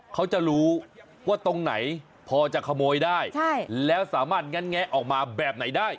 เขาจะรู้ว่าตรงไหนพอจะขโมยได้แล้วสามารถงัดแงะออกมาแบบไหนได้